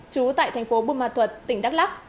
chú tại thành phố buôn ma thuật tỉnh đắk lắk